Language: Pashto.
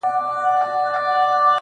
ستا هغه ټولې اداګانې به له ماسره وې